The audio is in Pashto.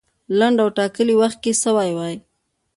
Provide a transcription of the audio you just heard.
لنډ او ټاکلي وخت کې سوی وای.